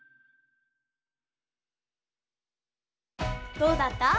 どうだった？